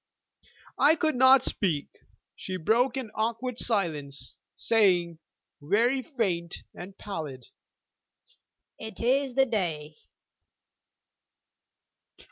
I could not speak. She broke an awkward silence, saying, very faint and pallid: 'It is the day!'